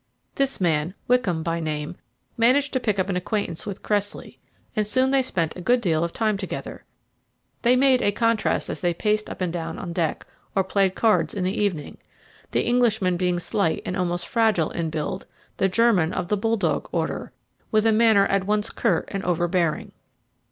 This man, Wickham by name, managed to pick up an acquaintance with Cressley, and soon they spent a good deal of time together. They made a contrast as they paced up and down on deck, or played cards in the evening; the Englishman being slight and almost fragile in build, the German of the bulldog order, with a manner at once curt and overbearing.